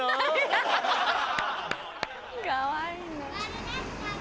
かわいいな。